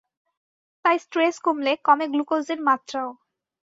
তাই স্ট্রেস কমলে কমে রক্তে গ্লুকোজের মাত্রাও।